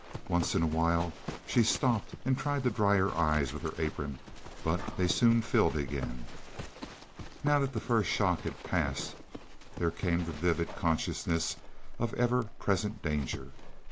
Once in a while she stopped and tried to dry her eyes with her apron, but they soon filled again. Now that the first shock had passed, there came the vivid consciousness of ever present danger.